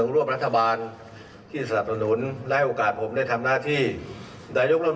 รวมนี้อยู่กับชีวิตยุโด